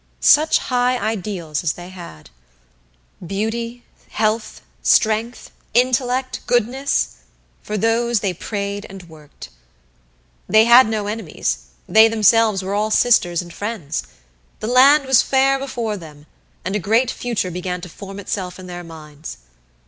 Such high ideals as they had! Beauty, Health, Strength, Intellect, Goodness for those they prayed and worked. They had no enemies; they themselves were all sisters and friends. The land was fair before them, and a great future began to form itself in their minds.